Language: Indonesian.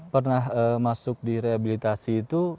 pernah masuk di rehabilitasi itu